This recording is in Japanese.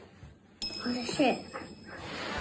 おいしい。